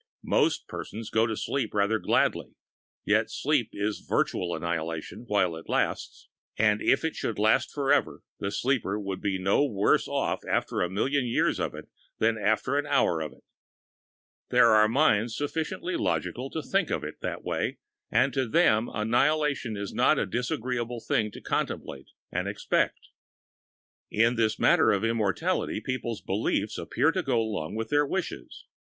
Most persons go to sleep rather gladly, yet sleep is virtual annihilation while it lasts; and if it should last forever the sleeper would be no worse off after a million years of it than after an hour of it There are minds sufficiently logical to think of it that way, and to them annihilation is not a disagreeable thing to contemplate and expect. In this matter of immortality, people's beliefs appear to go along with their wishes.